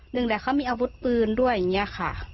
หนึ่งแหละเขามีอาวุธปืนด้วยอย่างนี้ค่ะ